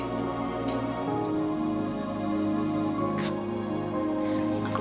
aku suka sama andre